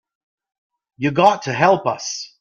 You got to help us.